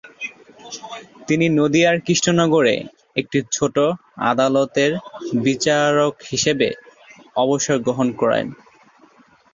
তিনি নদিয়ার কৃষ্ণনগরে একটি ছোট আদালতের বিচারক হিসাবে অবসর গ্রহণ করেন।